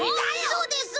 そうです。